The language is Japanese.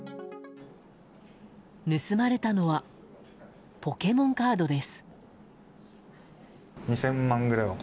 盗まれたのはポケモンカードです。